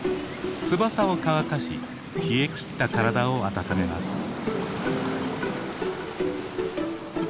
翼を乾かし冷えきった体を温めます。